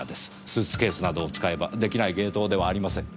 スーツケースなどを使えばできない芸当ではありません。